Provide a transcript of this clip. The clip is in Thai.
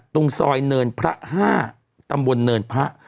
ตรงซอยเนินพระ๕ตำบลเนินพระ